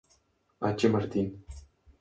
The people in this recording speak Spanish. H. Martin.